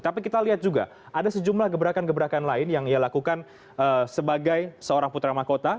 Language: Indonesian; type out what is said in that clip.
tapi kita lihat juga ada sejumlah gebrakan gebrakan lain yang ia lakukan sebagai seorang putra mahkota